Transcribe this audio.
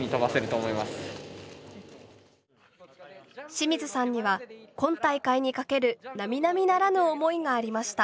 清水さんには今大会に懸けるなみなみならぬ思いがありました。